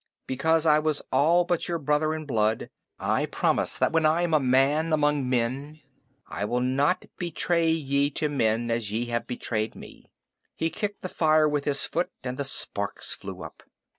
Because I was all but your brother in blood, I promise that when I am a man among men I will not betray ye to men as ye have betrayed me." He kicked the fire with his foot, and the sparks flew up.